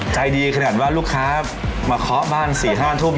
ใจดีขนาดว่าลูกค้ามาเคาะบ้าน๔๕ทุ่ม